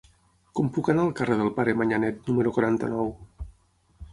Com puc anar al carrer del Pare Manyanet número quaranta-nou?